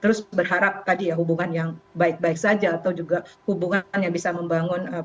terus berharap tadi ya hubungan yang baik baik saja atau juga hubungan yang bisa membangun